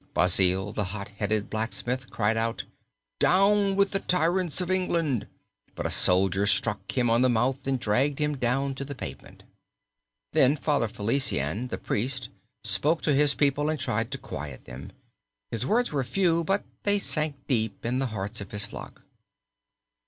Basil, the hot headed blacksmith, cried out, "Down with the tyrants of England!" but a soldier struck him on the mouth and dragged him down to the pavement. Then Father Felician, the priest, spoke to his people, and tried to quiet them. His words were few, but they sank deep in the hearts of his flock.